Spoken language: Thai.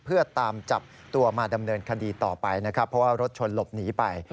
เพื่อตามจับตัวมาดำเนินคดีต่อไปนะครับเพราะว่ารถชนหลบหนีไป